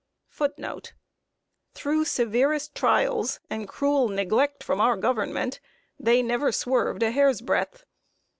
Through severest trials, and cruel neglect from our Government, they never swerved a hair's breadth.